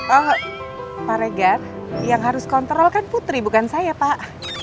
oh pak regar yang harus kontrol kan putri bukan saya pak